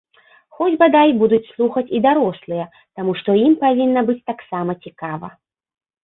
Хоць, бадай, будуць слухаць і дарослыя, таму што ім павінна быць таксама цікава.